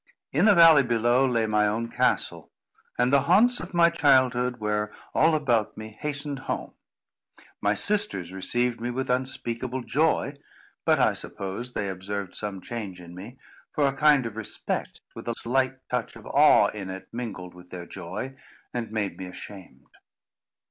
In the valley below, lay my own castle, and the haunts of my childhood were all about me hastened home. My sisters received me with unspeakable joy; but I suppose they observed some change in me, for a kind of respect, with a slight touch of awe in it, mingled with their joy, and made me ashamed.